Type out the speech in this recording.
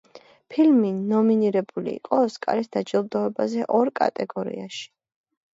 ფილმი ნომინირებული იყო ოსკარის დაჯილდოებაზე ორ კატეგორიაში.